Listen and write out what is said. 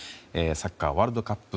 サッカーワールドカップ